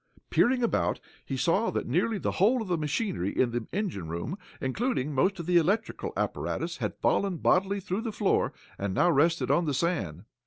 Peering about, he saw that nearly the whole of the machinery in the engine room, including most of the electrical apparatus, had fallen bodily through the floor, and now rested on the sand.